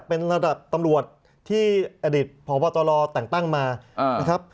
เป็นระดับตำรวจที่อดีตพบตรแต่งตั้งมานะครับ